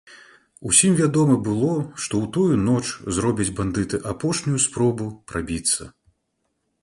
Усім вядома было, што ў тую ноч зробяць бандыты апошнюю спробу прабіцца.